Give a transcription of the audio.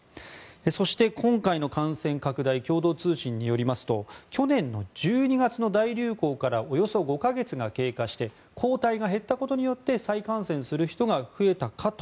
そして今回の感染拡大は共同通信によりますと去年の１２月の大流行からおよそ５か月が経過して抗体が減ったことによって再感染する人が増えたかと。